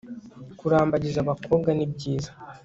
kurambagiza abakobwa ni byiza